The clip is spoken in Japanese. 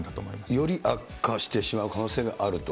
より悪化してしまう可能性があると？